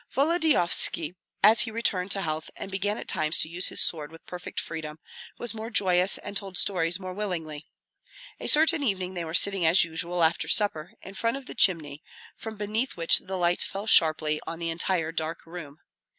Volodyovski, as he returned to health and began at times to use his sword with perfect freedom, was more joyous and told stories more willingly. A certain evening they were sitting as usual, after supper, in front of the chimney, from beneath which the light fell sharply on the entire dark room.